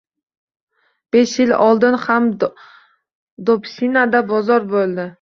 Besh yil oldin ham Dobshinada bozor boʻldi.